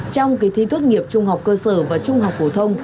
trong kỳ thi tốt nghiệp trung học cơ sở và trung học phổ thông